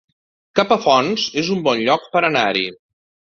Capafonts es un bon lloc per anar-hi